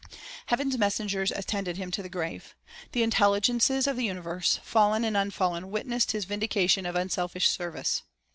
Heaven's messengers attended him to the grave. The intelligences of the universe, fallen and unfallen, witnessed his vindication of unselfish service.